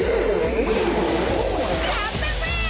やったぜ！